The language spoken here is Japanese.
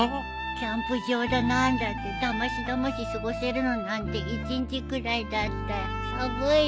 キャンプ場だ何だってだましだまし過ごせるのなんて１日くらいだったよ。